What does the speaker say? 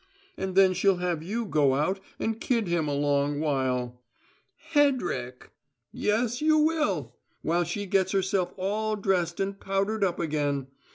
And then she'll have you go out and kid him along while " "Hedrick!" "Yes, you will! while she gets herself all dressed and powdered up again.